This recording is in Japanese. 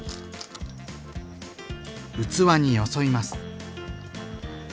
器によそいます。